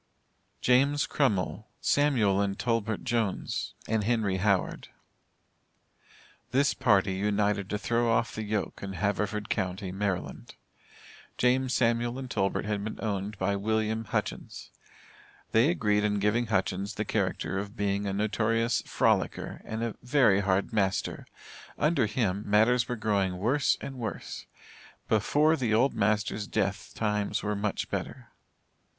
JAMES CRUMMILL, SAMUAL and TOLBERT JONES and HENRY HOWARD. This party united to throw off the yoke in Haverford county, Md. James, Samuel and Tolbert had been owned by William Hutchins. They agreed in giving Hutchins the character of being a notorious "frolicker," and a "very hard master." Under him, matters were growing "worse and worse." Before the old master's death times were much better.